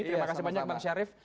terima kasih banyak bang syarif